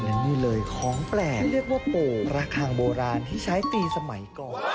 อย่างนี้เลยของแปลกที่เรียกว่าโประคังโบราณที่ใช้ตีสมัยก่อน